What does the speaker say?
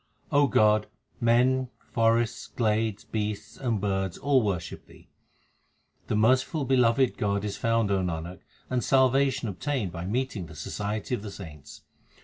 God, men, forests, glades, beasts, and birds all worship Thee. The merciful beloved God is found, O Nanak, and salva tion obtained by meeting the society of the saints.